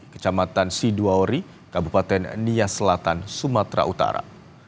kecamatan sidoaori kabupaten nia selatan sumatera utara